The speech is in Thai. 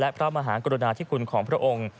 และพระมหากรุณาธิคุณของพระองค์